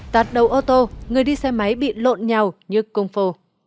tạt đầu ô tô người đi xe máy bị lộn nhau như cung phô